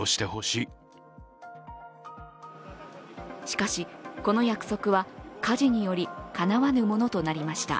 しかしこの約束は、火事によりかなわぬものとなりました。